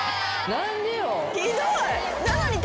何でよ？